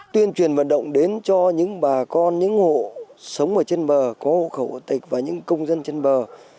tuyên truyền vận động đến cho những bà con những hộ sống ở trên bờ có hộ khẩu tịch và những công dân trên bờ